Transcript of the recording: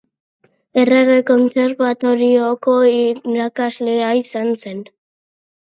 Errege Kontserbatorioko irakaslea izan zen.